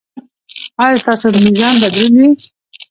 ایا ستاسو میزان به دروند وي؟